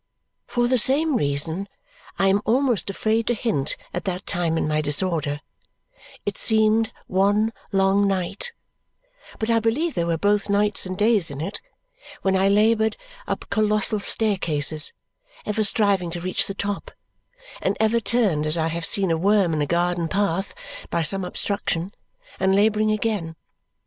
For the same reason I am almost afraid to hint at that time in my disorder it seemed one long night, but I believe there were both nights and days in it when I laboured up colossal staircases, ever striving to reach the top, and ever turned, as I have seen a worm in a garden path, by some obstruction, and labouring again.